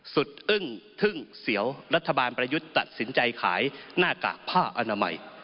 อึ้งทึ่งเสียวรัฐบาลประยุทธ์ตัดสินใจขายหน้ากากผ้าอนามัย